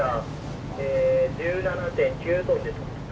え１７．９ｔです。